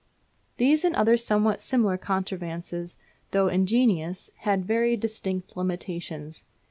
These and other somewhat similar contrivances, though ingenious, had very distinct limitations.